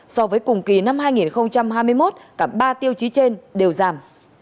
so với cùng kỳ năm hai nghìn hai mươi một cả ba tiêu chí trên đều giảm